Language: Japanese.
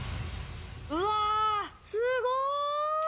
うわすごい！